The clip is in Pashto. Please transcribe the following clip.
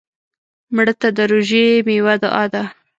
مړه ته د روژې میوه دعا ده